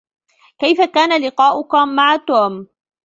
كيف كان لقاؤكِ مع توم؟